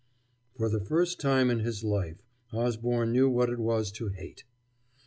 For the first time in his life Osborne knew what it was to hate.